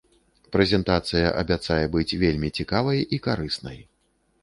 Прэзентацыя абяцае быць вельмі цікавай і карыснай.